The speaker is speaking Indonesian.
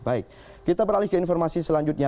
baik kita beralih ke informasi selanjutnya